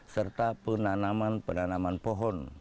serta penanaman penanaman pohon